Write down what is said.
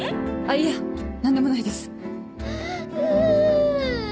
あっいや何でもないです。